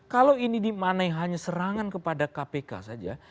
kalau ini dimaknai hanya serangan kepada kpk saja